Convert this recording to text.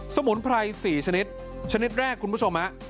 สมุนไพร๔ชนิดชนิดแรกคุณผู้ชมฮะ